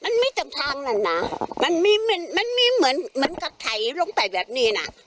มันมีตรงทางนั้นนะมันมีมันมีเหมือนเหมือนกับไถลงไปแบบนี้น่ะ